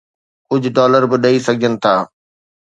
ڪجهه ڊالر به ڏئي سگهجن ٿا.